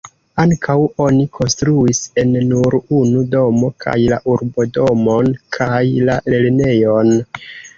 Ankaŭ oni konstruis en nur unu domo kaj la urbodomon kaj la lernejon.